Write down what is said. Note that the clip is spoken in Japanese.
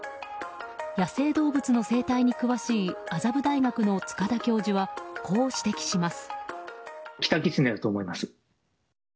野生動物の生態に詳しい麻布大学の塚田教授はこう指摘します。